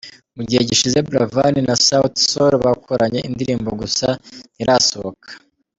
Mu gihe gishize Buravan na Sauti Sol bakoranye indirimbo gusa ntirasohoka.